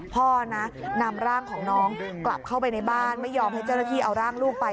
พ่อนะนำร่างของน้องกลับเข้าไปในบ้านไม่ยอมให้เจ้าหน้าที่เอาร่างลูกไป